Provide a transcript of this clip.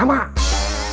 di rumah pak dubos